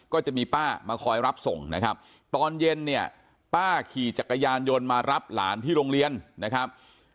ก็จะมีป้ามาคอยรับส่งนะครับตอนเย็นเนี่ยป้าขี่จักรยานยนต์มารับหลานที่โรงเรียนนะครับ